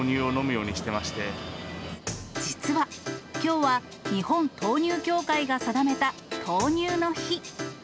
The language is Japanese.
実は、きょうは日本豆乳協会が定めた豆乳の日。